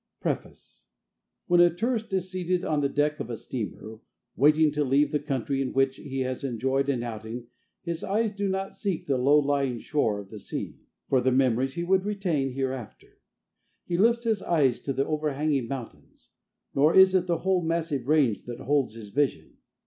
PREFACE When a tourist is seated on the deck of a steamer, waiting to leave the country in which he has enjoyed an outing, his eyes do not seek the low lying shore of the sea, for the memories he would retain hereafter. He lifts his eyes to the overhanging mountains. Nor is it the whole massive range that holds his vision.